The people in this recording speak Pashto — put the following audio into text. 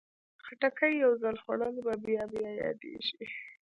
خټکی یو ځل خوړل بیا بیا یادېږي.